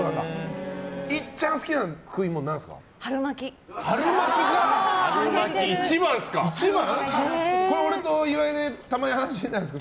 いっちゃん好きな食い物なんですか？